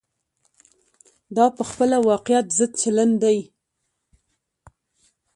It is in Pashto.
دا په خپله واقعیت ضد چلن دی.